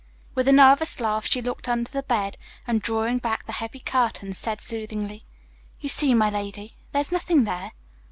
With a nervous laugh she looked under the bed and, drawing back the heavy curtains, said soothingly, "You see, my lady, there's nothing there."